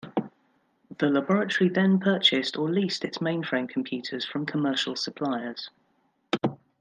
The Laboratory then purchased or leased its mainframe computers from commercial suppliers.